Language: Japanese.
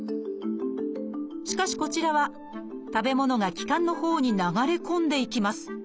しかしこちらは食べ物が気管のほうに流れ込んでいきます。